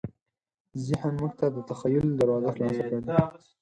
ذهن موږ ته د تخیل دروازه خلاصه کړې.